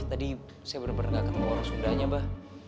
tadi saya benar benar gak ketemu orang sundanya mbak